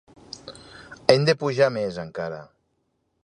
Hem de pujar més encara.